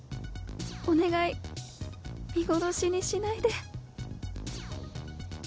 お願い見殺しにしないで